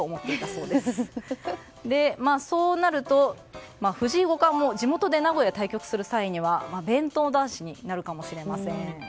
そうなると、藤井五冠も地元・名古屋で対局をする際に弁当男子になるかもしれません。